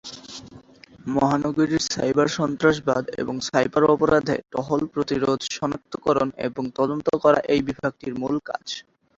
মহানগরীর সাইবার সন্ত্রাসবাদ এবং সাইবার-অপরাধে টহল, প্রতিরোধ, সনাক্তকরণ এবং তদন্ত করা এই বিভাগটির মূল কাজ।